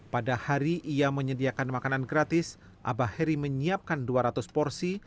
pada hari ia menyediakan makanan gratis abah heri menyiapkan dua ratus porsi